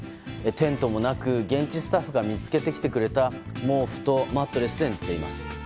テントもなく、現地スタッフが見つけてきてくれた毛布とマットレスで寝ています。